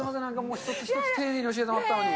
一つ一つ丁寧に教えてもらったのに。